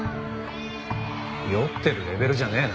酔ってるレベルじゃねえな。